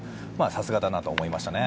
さすがだなと思いましたね。